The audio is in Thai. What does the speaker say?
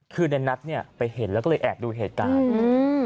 คือในนัทเนี่ยไปเห็นแล้วก็ไปแอบดูเหตวภายในเหตุการณ์